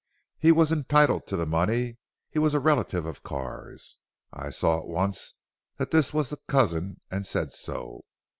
He was entitled to the money: he was a relative of Carr's. I saw at once that this was the cousin, and said so.